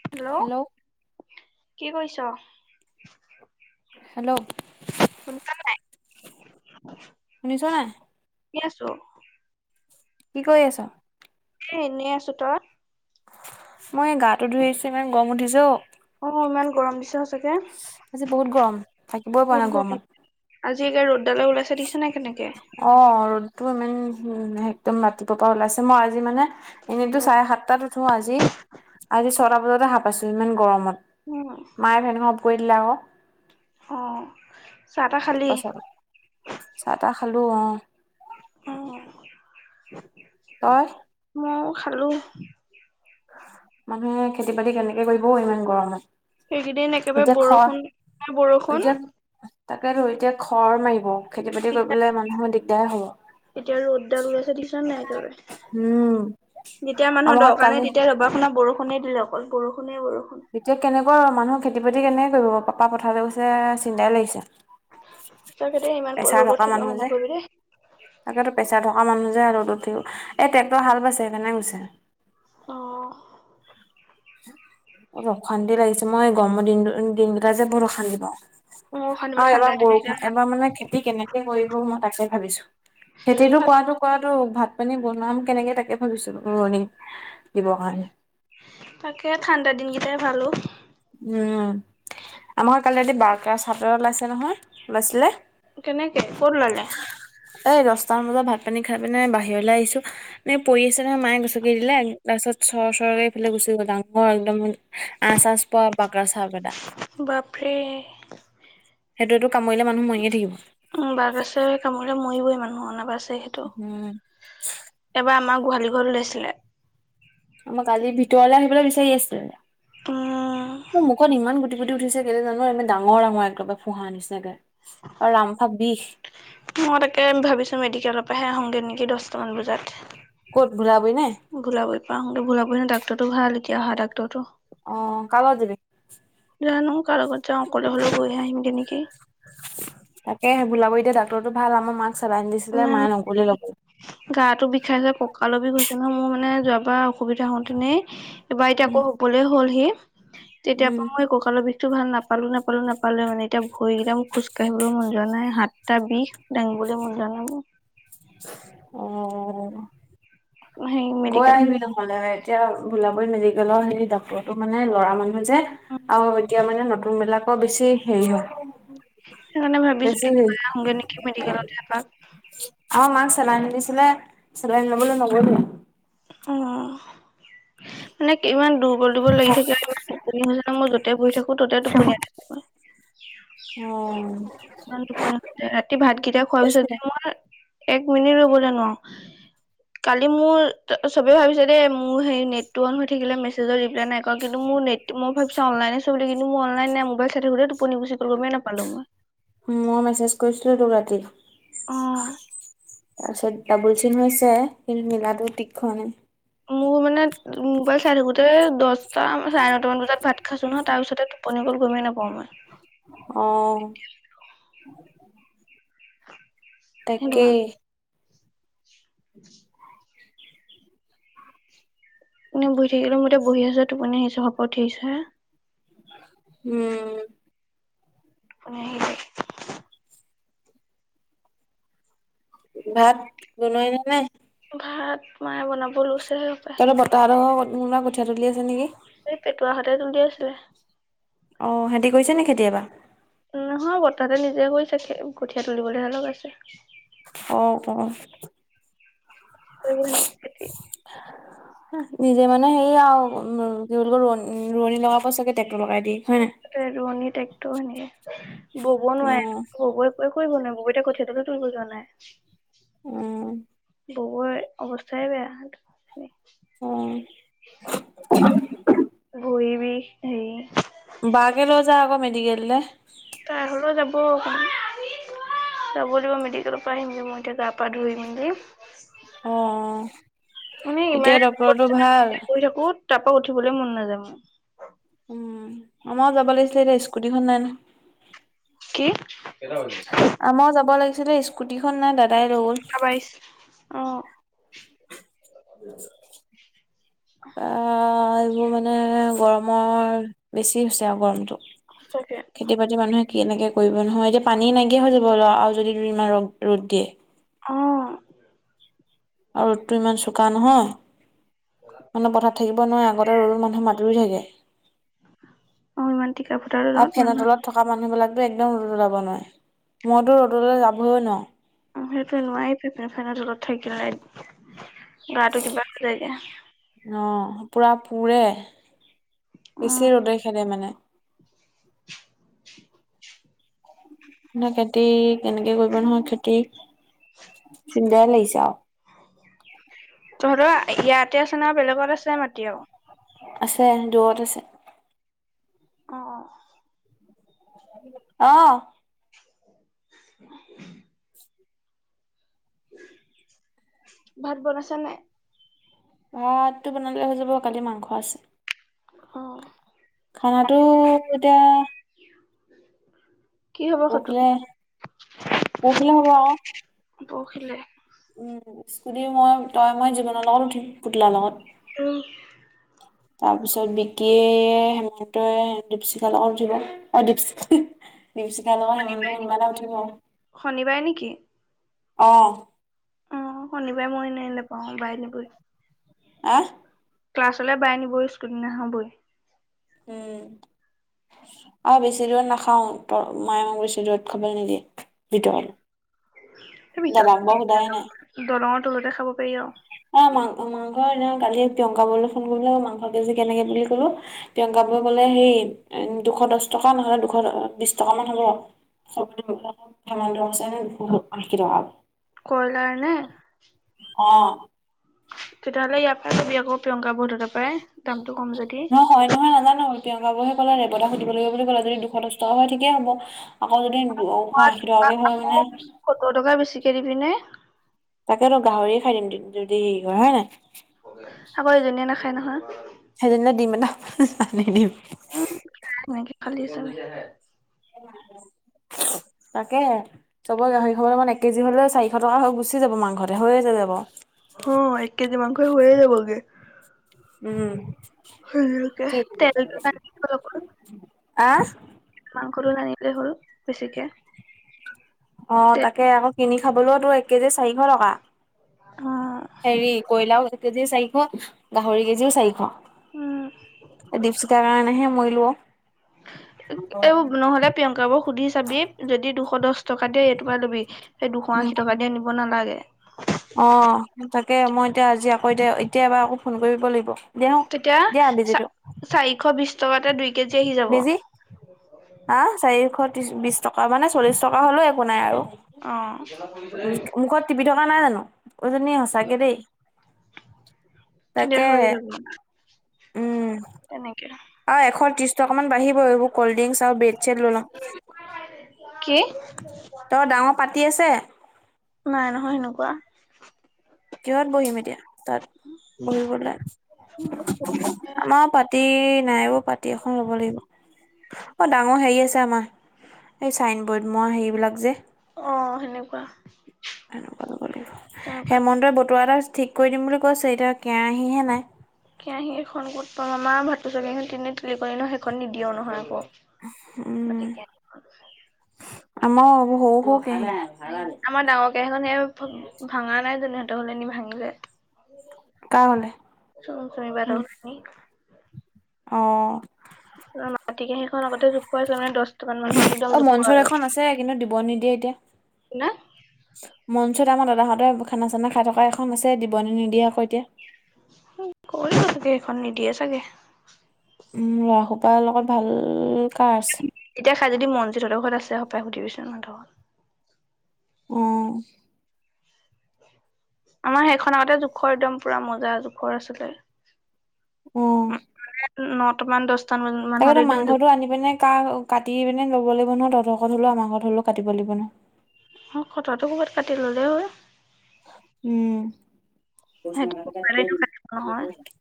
Hello কি কৰিছ? Hello, শুনিছা নাই শুনিছ নাই? কি আছো। কি কৰি আছ? এ এনেই আছো, তই! মই গাটো ধুই আহিছো ইমান গৰম উঠিছো ঔ। অ ইমান গৰম দিছে সঁচাকে আজি বহুত গৰম থাকিবই পৰা বহুত নাই গৰম গৰমত। আজি একে ৰ'দডালে ওলাইছে দিছে নাই কেনেকে অ', ৰ'দটো ইমান উ একদম ৰাতিপুৱা পৰা ওলাইছে মই আজি মানে এনেইতো চাৰে সাতটাত উঠো আজি, আজি ছটা বজাতে সাৰ পাইছোঁ ইমান গৰমত। উম। মায়ে ফেনখন অফ কৰি দিলে আক'। অ'। চাহ তাহ খালি তাৰপা চাহ চাহ তাহ খালো অ'। অ'। তই। খালো। মানুহে খেতি বাতি কেনেকে কৰিব ইমান এইকেইদিন গৰমত। একেবাৰে এতিয়া খৰ বৰষুণ বৰষুণ এতিয়া তাকে আৰু এতিয়া খৰ মাৰিব খেতি বাতি এতিয়া কৰিবলে মানুহৰ দিগদাৰ হ'ব। এতিয়া ৰ'দদাল উলাইছে দেখিছ নাই উম একেবাৰে। যেতিয়া আমাৰ মানুহৰ ঘৰত দৰকাৰ নাই কালি তেতিয়া পুনা বৰষুণ দিলে অকল বৰষুণে বৰষ এতিয়া কেনেকৈ মানুহৰ খেতি বাতি কেনেকে কৰিব পাপা পথাৰতে গৈছে চিন্তাই লাগিছে। সঁচাকে দেই ইমান পেচাৰ ৰ'দত থকা থাকিব মানুহ মানা যে কৰিবি দেই তাকেতো পেচাৰ থকা মানুহ যে। ত এই ট্ৰেক্টৰ হাল বাইছে সেইকাৰনে গৈছে। আহ। ব অশান্তি লাগিছে মই গৰমৰ দিন দিন দুটা যে বহুত অশান্তি পাওঁ। মোৰ অশান্তি পাওঁ আৰু ঠাণ্ডা এবাৰ বৰষুণ দিনকেইটাই ভাল এবাৰ মানে খেতি কেনেকে কৰিব মই তাকে ভাবিছোঁ খেতিটো কৰাতো ক ভাত পানী বনাম কেনেকে তাকে ভাবিছো ৰোৱণী দিবৰ কাৰণে। তাকে ঠাণ্ডা দিনকেইটাই ভালো। উম আমাৰ কালি ৰা অ বাৰকা চাদৰ ওলাইছে নহয় ওলাইছিলে কেনেকে ক'ত ওলালে? এই দহটামান বজাত ভাত পানী খাই পিনে বাহিৰলৈ আহিছোঁ এনে পৰি আছে নহয় মায়ে গছকি দিলে তাৰপিছত চৰ চৰকে এইফালে গুচি গ'ল ডাঙৰ একদম আচচ পোৱা পাক চটা বাপৰে উম বাঘ আছে কামোৰি মৰিবই মানে হ ন পাছে সেইটো উম, এবাৰ আমাৰ গোহালি ঘৰত উলাইছিলে। আমাক আজি ভিতৰলৈ আহিবলৈ বিচাৰি উম আছিলে। মুখত ইমান গোট গুটিগুটি উঠিছে কেই জানো এ ডাঙৰ ডাঙৰ একদমাৰে ফোঁহা নিচাকে আৰু ৰামফা বিষ। মই তাকে ভাবিছোঁ মেডিকেলৰ পৰাহে আহোগৈ নেকি দহটামান বজাত। ক'ত ভোলাবৰি নে ভোলাব পাতে ভোলাব ন ডাক্তৰটো ভাল এতিয়া অহা ডাক্তৰটো। অ', কাৰ লগত যাবি? জানো কাৰ লগত যাওঁ অকলে হ'লেও গৈ আহিমগৈ নেকি। তাকে বওলাব এতিয়া ডাক্তৰো ভাল আমাৰ মাক চেলাইন দিছিলে তমাৰ মায়ে নগলে ল'বলৈ গা বিষাইছে ককাঁলো বিষ গৈছে নহয় মোৰ মানে যোৱা বা অসুবিধা হওঁতেনে এবাৰ এতিয়া উম আকৌ হ'বলে হ'লহি তেতিয় উম পৰা মই কঁকালৰ বি ভাল নাপালো নাপালো নাপালো মানে এতিয়া ভৰিকেইটা মোৰ খোজ কাঢ়িবলৈ মন যোৱা নাই হাতটা বিষ দাঙিবলৈ মন যোৱা জলাব অ হেৰি গৈ মেডিকেল আহিবি নহ'লে এতিয়া ভোলাবী মেডিকেলৰ হেৰি ডটৰটো মানে ল'ৰা মানহ যে আৰু এতিয়া মানে নতুন বিলাকৰ বেছি হেৰি হয় সেইকাৰণে ভাবিছো বেছি হেৰি আহগে নেকি মেডিকেলতেপাক চ আিছে চিলাইল ন দ অ মানে ইমান দুৰ্বল দিব লাগি থাকে ইমান নি হৈছে ন মোৰ ততে বহি থাকো ততে টোপুন থাকই প ৰাতি ভাত কেতিয়া খোৱা পিছ কৈছিলে যে মই এক মিনিট ৰৰুবলৈ নোৱাৰো কালি মোৰ ত চবে ভাবিছে দেেই মোৰ সেই নেট টো অন হৈ থাকিলে মেছেজৰ ৰিপ্লাই নাই কৰা কিন্তু মোৰ নে মই ভাবিছো অনলাইনে চলিলো কিন্তু মই অনলাইন নাই মবাইলাই থোুে টোপনিিবচি কৰিব গমেই নাপালো মই মই মেছেজ কৰিছিলো তোৰ ৰাতি আহ তাৰপিছত ডাবুল চিন হৈছে কিন্তু মিলাটো তীক্ষণে মোৰ মানে মোবাইল চাই থাকোতে দহটাাম চাৰে নটামান বজাত ভাত খাইছো ন তাৰ পিছতে টোপনি গল গমেই নাপা [unintelligible] আহ [unintelligible] তাকে উম এনে বহি থাকিলো মতে বহি আছ তটোপুনি স শাপত উঠিছে হ উম মনে ভাত বনাই ন নাই ভাত মায়ে বনাব লৈছো তাৰ বতাহ আৰু মা কঠীয়াা তলি আছে নেকি এই পেটুৱ হঁতেত তুলি আছিলে অ সিহতি কৰিছে নে কেেতিয়াবা নহয় বতাহতে নিজে কৰিছে কঠীয়া তুলিবলৈ হেলে লগ আছে অ ক এইব নিজে মানে সেই আৰু উ কি বুলি ক ৰোৱ ৰোৱনী লগাব প চাগে লগাই দি হয় নাই? ৰোৱনী টেকটো এনেকে বব নোৱাৰে অ', ববই ক কৰিব নোৱাৰ ববু এতয়া কঠিয়টোো তোৰ ব যোৱা নাই উ বহ অৱস্থাই বেয়া উম গৈ বি সেই বাগে ৰজা আগ মেডিকেললেে তাৰ হলেও যাব অকণ যব লিবই মেডিকেলৰ পৰা আহিমি মই এতিয়া গা পা ধুইমি অ মানে এতিয়া ডক্ক্তটৰটো ভাল তাৰাপা উঠিবলৈ মন নাযায় ম উম আমাৰ যাব লাগিছিলে এতিয়া স্কুটিখন নাই ন কি আমাৰ যাব লাগিছিলে স্কুটিখন নাই দাদা বাইছ আহ অ এইবোৰ মানে গৰমৰ বেছি হৈছে আৰু গৰমতটো সঁচাকে খেতি বাতিৰ মানুহে কি এনেকে কৰিব নহয় এতিয়া পানী নাইকিয় হৈ যাব আৰু যদি দু ইমান ৰদ-ৰ'দ দিয়ে। অহ আৰু ৰ'দটো ইমান চোকা নহয়। মানুহ পথাৰ থাকিব নোৱাৰে আগতে ৰল মানুহ মাতুৰি থাকে। অ ইমান টিকা ফটা আ ৰ'দত ফেনৰ মানুহৰ তলত থকা মানুহ বিলাক একদম ৰ'দ ওলাব নোৱাৰে মইতো ৰ'দলৈ যাবই নোৱাৰোঁ। সেইটো নোৱাই ফপ-ফেনৰ তলত থাকিলে। গাটো কিবা কিবি লাগে। অ পুৰা পোৰে উম বেছি ৰ'দে খেদে মানে। নে খেতি কেনেকে কৰিব নহয় খেতি। চিন্তাই লাগিছে আৰু। তহঁৰ ইয়াতে আছে ন বেলেগত আছে মাটি আৰু। আছে যৰত আছে। অ-অ, অ [unintelligible] ভাত বনাইছা নে। ভাতটো বনালে হৈ যাব কালি মাংস আছে অ খানাটো এতিয়া কি হ'ব সেইটো পকলে পকিল ভ পখিলে স্কুটি মই তই মই জীৱনৰ লগত উঠিম পুতলাৰ লগত অহ, তাৰপিছত বিকিয়ে হেমন্তই দীপশিখা লগত উঠিব অ দপশিখা। দিপশিকা লগত হেমান্ত্ৰ কোনোবা এটা উঠিব আৰু। শনিবাৰে নেকি? অহ অ' শনিবাৰে মই এনেই নাপাও বাইনবই। অহ ক্লাছলৈ বাই নিব স্কুল দিনা হ'বই। উম অহ বেছি দূৰত নাখাও ত মায়ে মোক বেছি দূৰত খাবলৈ নিদিয়ে। যটো ম [unintelligible] ভিতৰত দলঙৰ তলতে খাব পাৰি আৰু। মাং অ মাংস ন কালি প্ৰিয়ংকা বৰুলৈ ফোন কৰিব লাগিব মাংসটোজি কেনেকে বুলি কলো। প্ৰিয়ংকা বৌ ক'লে সেই দুশ দহ টকা নহ'লে দুশ বিশ টকামান হ'ব। ৰনিৰাব [unintelligible] কইলাৰ নে? অ তেতিয়াহ'লে ইয়াৰ পৰাই তুমি আকৌ প্ৰিয়ংকা বৌ হটৰ পাই নহয়-নহয় নাজানো। প্ৰিয়ংকা বৌ কলে ৰেৱতা সুধিব লাগিব বুলি কলে যে দুশ দহ টকা হয় ঠিকেই হ'ব। আকৌ যদি এশ আশী টকাকে হয় মানে কেৰি পিনে তাকেতো গাহৰিয় খাই দিম যদি হে হয় নাই। আকৌ এজনীয়ে নাখায় নহয়। নি [unintelligible] উ সনেকে খালি আছে নেকি? তাকে চবৰ গাহৰি খব এক কেজি হলে চাৰিশ টকা হৈ গুচি যাব মাংসতে হৈ যাব। অ এক কেজি মাংস হৈয়ে যাবগে উম তেলটো আনিল আহ মাংস আানিলে হ'ল বেছিকে অ তেল তাকে আকৌ কিনি খাবলৈওতো এক কেজি চাৰিশ টকা অ', হেৰি কয়লাও এক কেজিও চাৰিশ গাহৰি কেজিও চাৰিশ উম, দপচুখাৰ কাৰণেহে মৰিলোৱা এইব নহ'লে প্ৰিয়ংকা বোৰ সুধি চাবি যদি দুশ দহ টকা দিয়ে এইটকা লবি সেই দুশ আশী টকা দিয়ে নিব নালাগে অ তাকে মই এতিয়া আজি আকৌ এতিয়া এতিয়া এবাৰ আকৌ ফোন কৰিব লাগিব দিয়া তেতিয়া দিয়া চ বেজিটো চাৰিশ বিশ টকাতে দুই কেজি আহি যাব বেজি হ চাৰিশ ত্ৰি বিশ টকা মানে চল্লিশ টকা হ'লেও একো নাই আৰু অ', উ মুখত টিপি থকা নাই জানো উজনী সঁচাকে দেই তেতিয়া তাকে হৈ যাব উম তেনেকে আৰু এশৰ ত্ৰিশ টকাামান বাঢ়ি এইবোৰ কল্ড ড্ৰিংক আৰু বেড চ লল কি তই ডাঙৰ পাতি আছে নাই নহয় সেনেকুৱা কিহত বহিম এতিয়া তাত বহিবিবলৈ আমাৰ পাতি নাই ব পাতি এখন ল'ব লাগিব অ ডাঙৰ হেৰি আছে আমাৰ এই চাইনবৰ্ড মই হেৰিবিলাক যে অ সেনেকুৱা তেনেকুৱা হেমন্তই বতুৱা এটা ঠিক কৰি দিম বুলি কৈছে এতিয়া কেৰাহিহে নাই কেৰাহী এখন ক'ত প মামাৰ ভাতটো চখন তিনে তুলি কৰি ন সেইখন নিদিিয়ও নহয় আকৌ উম মাটি কেৰাহী আম হৌ হ আমাৰ ডাঙৰ কেইখন স ভাঙা নাই যহঁতৰ হলে নি ভাঙিলে কাৰ ঘৰলে? চন শুনিবাৰি উম, অ মাটি কো সেইখন আগতে জোখুৱ হৈছিল মানে দহ মান মানুহ একদম জোখুৱ আৰু হ'ব নিদিয়ে এতিয়া কিনে পিছত আমাৰ দাদাহঁতেৰ খানা চানা খাই থকা এখন আছে দিব নিদিয়ে আকৌ এতিয়া কৰি চাগে সখন নিদিয়ে চাগে উম লৰা সোপাৰ লগত ভাল কাৰ আছে। এতিয়া খাই যদি মনজিত হঁতৰখৰত আছে সপায় সুধিবিচোন সহঁতৰৰত উম আমাৰ সেইখন আগতে জোখৰ একদম পুৰা মজা জোখৰ আছিলে উম নটা মান দহ তাকেতো মাংসটো আনি পিনে কা কাটি পিনে ল'ব লাগিব। তহঁত ঘৰত হ'লেও আমাৰ ঘৰত হ'লেও কাটিব লাগিব ন অ কটাতো ক'ৰবাত কাটি ল'লেই হয় উম পচ ম সিহঁতি ৰাখ কুকাৰতে কাটিব নহয় [unintelligible]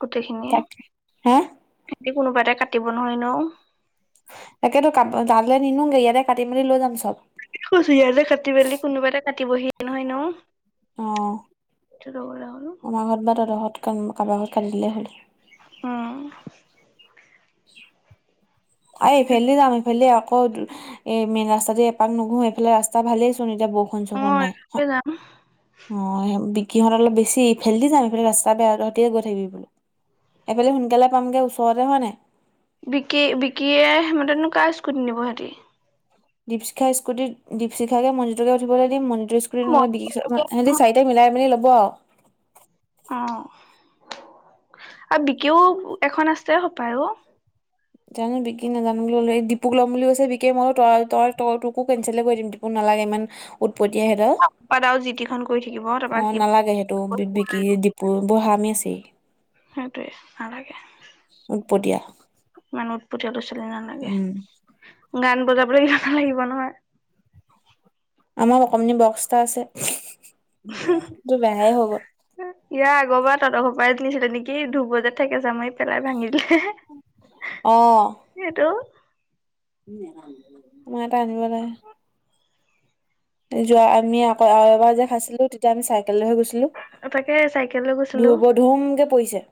গোটেইখিনিয়ে হা? হেতি কোনোবা এটাই কাটিব নহয় ন তাকেতো ক তালে নিনোগে ইয়াতে কাটি মেলি লৈ যাম চব তাকেটো কৈছোঁ কাটি মেলি কোনোবা এটা কাটিবহি নহয় ন অ সেইটো লবলৈ হ'ল আমাৰ ঘৰত বা তহঁতৰ ঘৰত কাৰোবা ঘৰত কাটিলেই হ'ল অ উ [unintelligible] আহ এইফালে যাম ইফালে আকৌ এ মেইন ৰাস্তা দি এপাক নুঘো এইফালে ৰাস্তা ভালেই চোন। এতিয়া বৰষুণ অ চষুণ নাই একে যাম অ সিহঁত অলপ বেছি এইফালে দি যাম এইফালে ৰাস্তা বেয়া তহঁতে গৈ থাকিবি এইফালে সোনকালে পামগে ওচৰতে হয় নে বিকি বিকিয়ে সিহঁতেনো কাৰ স্কুটি নিব হেতি দীপশিখা স্কুটিত দীপশিখাকে মনজিৎকে উঠিবলৈ দি মনজিৎ অ সিহঁতি চাৰিটাই মিলাই মেলি ল'ব আৰু অ আৰু বিকেও এখন আছে সপায় ও জানো বিকি নাজানো বুলি ক'লে ডিপুক ল'ম বুলি কৈছে বিকিয়ে মই তই তই তই তোকো কেনচেল কৰি দিম ডিপু নালাগে উৎপতীয়া সিহঁতৰ দাও যিটিখন কৰি থাকিব তাৰপা অ কি নালাগে সেইটো বিকি দিপু বৰ সাৰামি আছে সেইটোৱে নালাগে উৎপতীয়া ইমান উৎপতীয়াটো উম গান বজাবলৈ ইহঁতক লাগিব নহয়। আমাৰ অকণমানি বক্স এটা আছে। সেইটো বেয়াই হৈ গ'ল ইয়াৰ আগৰবাট তহঁত ঘৰ পৰাই নিছিলে নেকি দোল বজাই থাকে যে আমাৰ পেলাই ভাঙি দিলে সেইটো আমাৰ এটা আানিব লাগে যোৱা আমি আকৌ আৰু এবাৰ যে খাইছিলোঁ তেতিয়া আমি চাইকেল লৈহে গৈছিলোঁ তাকে চাইকেল লৈ গৈছিলো ধূব ধুমকে পৰিছে।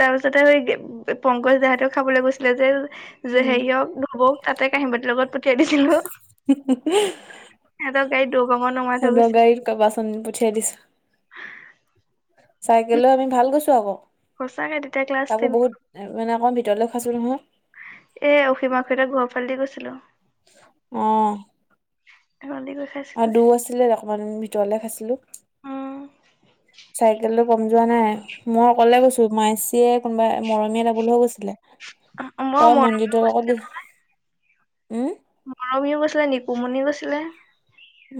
তাৰ পিছতে স পংকজ দাহঁতেও খাবলৈ গৈছিলে যে যে উম হেৰিয়ক নবৌক তাতে কাঁহি বাতিৰ লগত পঠিয়াই দিছিলো। সিহঁতৰ [inaudible] গাড়ীত দৌ বামত নমাই থৈ হল গৈছিল গাড়ীত কেইবাজন পঠিয়াই দিছিলো চাইকেল লৈ আমি ভাল গৈছোঁ আকৌ সঁচাকে তেতিয়া ক্লাছ তাকো টেন বহুত মানে অকণমান ভিতৰুৱা দলক হাজোৰঙা [unintelligible] এ অসীমহঁতৰ ঘৰ ফালে দি গৈছিলোঁ। অহ সেইফালেদি গৈ আ দৌ খাইছিলোগে আছিলে দেখোন ভিতৰলে খাইছিলো উম চাইকেল কম যোৱা নাই মই অকলে গৈছো মায়াশ্ৰীয়ে কোনোবা মৰমীহেঁতক লৈ গৈছিলে। মই তই মনজিৎতৰ লগত উম মৰমিও গৈছিলে নিকুমণি গৈছিলে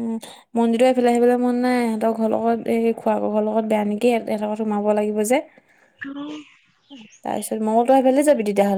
উম মনজিৎতএইফালে আহিবলৈ মন নাই সিহঁতৰ ঘৰ লগত খুড়াকৰ ঘৰ লগত বেয়া নেকি সেহঁতৰ ঘৰত সোমাব লাগিব যে উম তাৰপিছত মই ক'লো তই সেইফালে দি যাবি তেতিয়াহ'লে